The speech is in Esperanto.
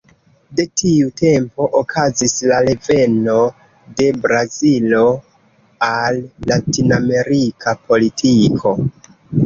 De tiu tempo okazis la reveno de Brazilo al latinamerika politiko.